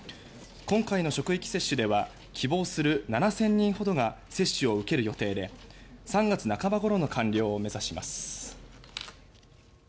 今回の職域接種では希望する７０００人ほどが接種を受ける予定で３月半ばごろの完了を目指します。